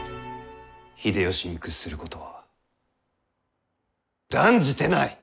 秀吉に屈することは断じてない！